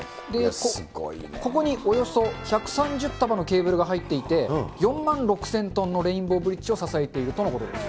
ここにおよそ１３０束のケーブルが入っていて、４万６０００トンのレインボーブリッジを支えているとのことです。